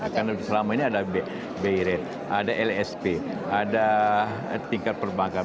karena selama ini ada bired ada lsp ada tingkat perbankan